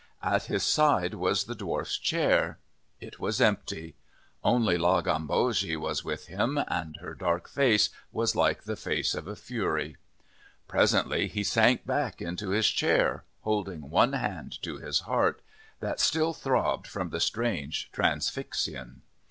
At his side, was the Dwarf's chair. It was empty. Only La Gambogi was with him, and her dark face was like the face of a fury. Presently he sank back into his chair, holding one hand to his heart, that still throbbed from the strange transfixion.